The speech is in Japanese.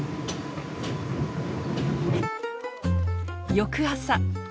翌朝。